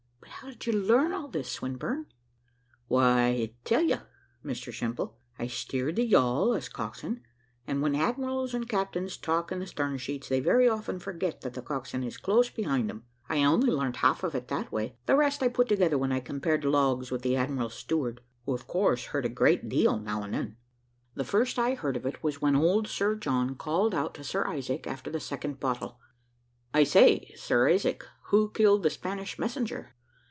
"But how did you learn all this, Swinburne?" "Why, I'll tell you, Mr Simple; I steered the yawl, as coxswain, and when admirals and captains talk in the stern sheets, they very often forget that the coxswain is close behind them. I only learnt half of it that way, the rest I put together when I compared logs with the admiral's steward, who, of course, heard a great deal now and then. The first I heard of it, was when old Sir John called out to Sir Isaac, after the second bottle, `I say, Sir Isaac, who killed the Spanish messenger?'